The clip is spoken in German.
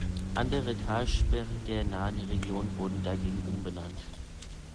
Andere Talsperren der nahen Region wurden dagegen umbenannt.